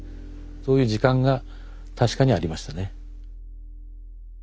そういう時間が確かにありましたね。